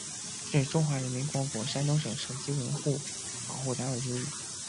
是中华人民共和国山东省省级文物保护单位之一。